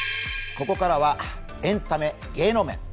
ここからはエンタメ・芸能面。